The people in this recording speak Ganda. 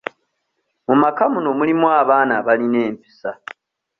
Mu maka muno mulimu abaana abalina empisa.